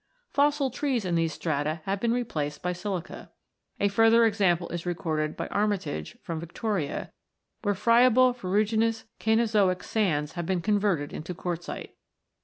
Fossil trees in these strata have been replaced by silica. A further example is recorded by Armitage(34) from Victoria, where friable ferruginous Cainozoic sands have been converted into quartzite.